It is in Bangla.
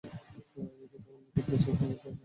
আমি কি তোমার নিকট কিছু উপঢৌকন পাঠিয়ে দিব না?